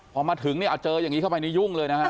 พอมาถึงอาจเจออย่างนี้เข้าไปนี่ยุ่งเลยนะครับ